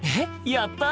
やった！